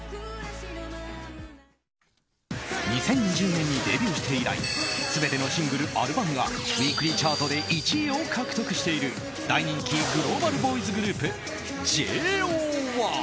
２０２０年にデビューして以来全てのシングル・アルバムがウィークリーチャートで１位を獲得している大人気グローバルボーイズグループ、ＪＯ１。